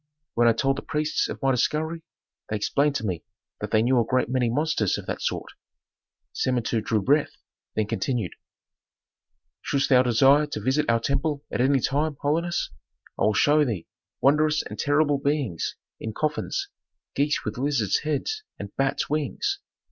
When I told the priests of my discovery they explained to me that they knew a great many monsters of that sort." Samentu drew breath, then continued, "Shouldst thou desire to visit our temple at any time, holiness, I will show thee wondrous and terrible beings in coffins: geese with lizards' heads and bats' wings.